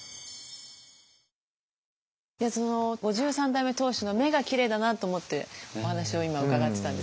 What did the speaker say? ５３代目当主の目がきれいだなと思ってお話を今伺ってたんですけど